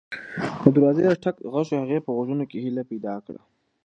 د دروازې د ټک غږ د هغې په غوږونو کې هیله پیدا کړه.